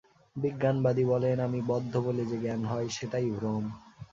বিজ্ঞানবাদী বলেন, আমি বদ্ধ বলে যে জ্ঞান হয়, সেটাই ভ্রম।